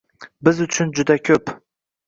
Biz uchun juda ko'p